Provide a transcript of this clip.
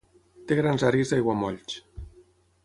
Té grans àrees d'aiguamolls.